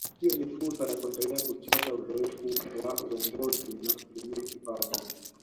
Hiyo ni fursa ya kuendelea kuchota uzoefu wa uongozi na kutumia kipawa chake